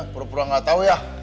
pura pura nggak tahu ya